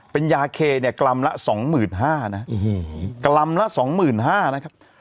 เป็นยาเคกลำละ๒๕๐๐๐นะครับ